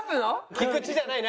菊池じゃないな？